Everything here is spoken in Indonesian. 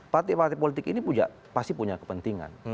partai partai politik ini pasti punya kepentingan